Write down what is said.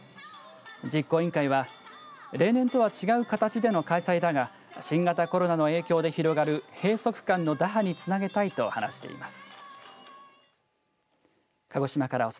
実行委員会は例年とは違う形での開催だが新型コロナの影響で広がる閉塞感の打破につなげたいと話しています。